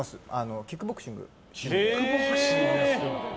キックボクシングを。